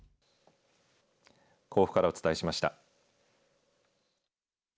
甲府からお伝えしました。